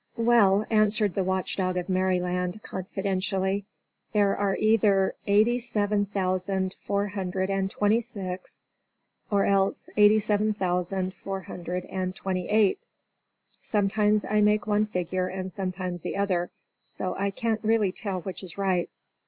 "Well, answered the Watch Dog of Merryland," confidentially, "there are either eighty seven thousand four hundred and twenty six, or else eighty seven thousand four hundred and twenty eight. Sometimes I make it one figure and sometimes the other, so I can't really tell which is right.